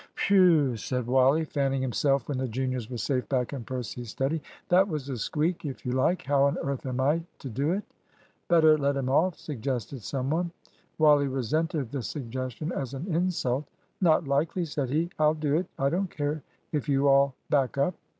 "Whew!" said Wally, fanning himself when the juniors were safe back in Percy's study. "That was a squeak, if you like. How on earth am I to do it?" "Better let him off," suggested some one. Wally resented the suggestion as an insult. "Not likely," said he. "I'll do it. I don't care, if you all back up."